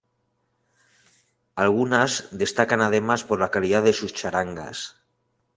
Algunas destacan además por la calidad de sus charangas.